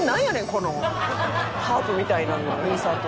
このハープみたいなインサート。